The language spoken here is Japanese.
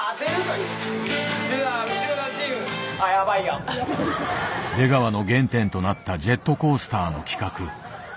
・それでは内村チーム！出川の原点となったジェットコースターの企画。